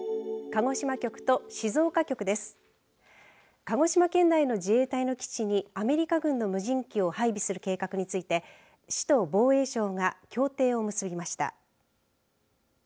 鹿児島県内の自衛隊の基地にアメリカ軍の無人機を配備する計画について市と防衛省が協定を結びました。